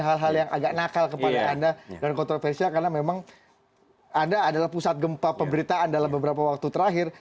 hal hal yang agak nakal kepada anda dan kontroversial karena memang anda adalah pusat gempa pemberitaan dalam beberapa waktu terakhir